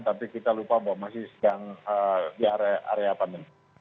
tapi kita lupa bahwa masih sedang di area panen